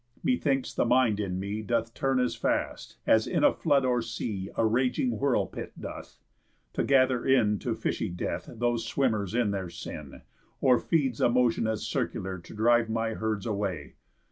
Methinks the mind in me Doth turn as fast, as in a flood or sea A raging whirlpit doth, to gather in To fishy death those swimmers in their sin; Or feeds a motion as circular To drive my herds away.